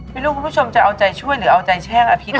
ไม่รู้คุณผู้ชมจะเอาใจช่วยหรือเอาใจแช่งอภิษฎ